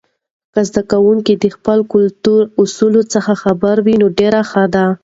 که زده کوونکي د خپلو کلتور اصولو څخه خبر وي، نو ډیر ښه دی.